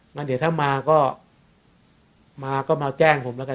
งั้นเดี๋ยวถ้ามาก็มาก็มาแจ้งผมแล้วกัน